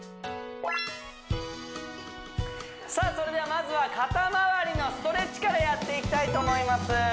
さあそれではまずは肩まわりのストレッチからやっていきたいと思います